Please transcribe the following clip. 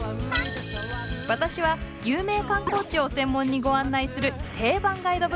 私は有名観光地を専門にご案内する定番ガイドブックです。